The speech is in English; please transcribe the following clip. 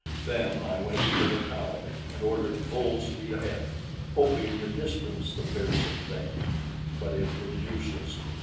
Then I went into the tower and ordered full speed ahead, hoping to distance the fearsome things; but it was useless.